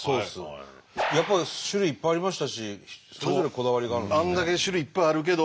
やっぱり種類いっぱいありましたしそれぞれこだわりがあるんですね。